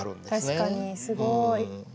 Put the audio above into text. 確かにすごい。